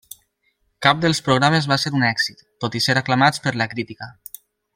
Cap dels programes va ser un èxit, tot i ser aclamats per la crítica.